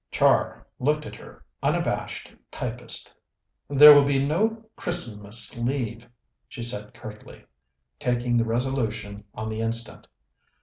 Char looked at her unabashed typist. "There will be no Christmas leave," she said curtly, taking the resolution on the instant.